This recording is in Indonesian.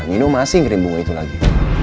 nino masih ngerembungin itu lagi